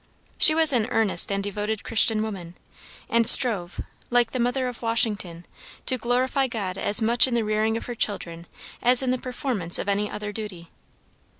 She was an earnest and devoted Christian woman, and strove, like the mother of Washington, to glorify God as much in the rearing of her children as in the performance of any other duty.